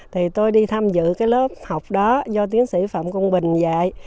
thì tôi đi tham dự cái lớp học đó do tiến sĩ phạm công bình dạy